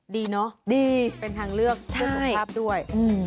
ดีเนอะเป็นทางเลือกเป็นสภาพด้วย